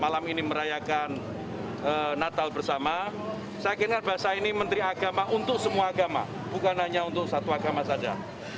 malam ini merayakan natal bersama saya kira bahasa ini menteri agama untuk semua agama bukan hanya untuk satu agama saja